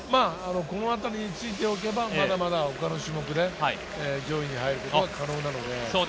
このあたりについておけば、まだまだ他の種目で上位に入ることが可能なので。